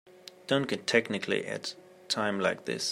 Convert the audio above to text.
Don't get technical at a time like this.